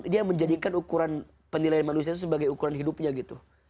dia menjadikan ukuran penilaian manusia itu sebagai ukuran hidupnya gitu